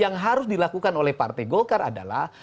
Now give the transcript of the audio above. yang harus dilakukan oleh partai golkar adalah